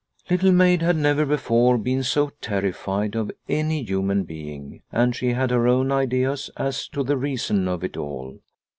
Little Maid had never before been so terrified of any human being, and she had her own ideas as to the reason of it all.